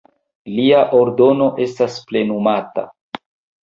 Lia ordono estas plenumata.